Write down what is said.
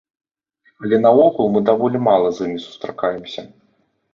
Але наогул мы даволі мала з імі сустракаемся.